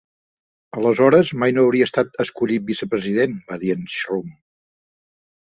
Aleshores mai no hauria estat escollit vicepresident, va dir en Shrum.